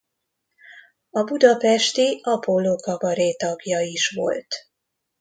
A budapesti Apolló Kabaré tagja is volt.